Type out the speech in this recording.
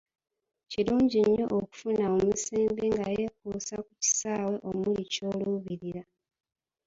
Kirungi nnyo okufuna omusembi nga yeekuusa ku kisaawe omuli ky'oluubirira.